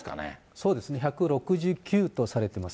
そうですね、１６９とされてます。